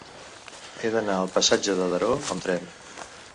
He d'anar al passatge de Daró amb tren.